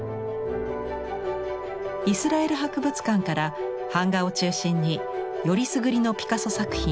イスラエル博物館から版画を中心によりすぐりのピカソ作品